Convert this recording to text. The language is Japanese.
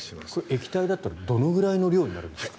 液体だとどのくらいの量になるんですか？